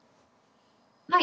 はい。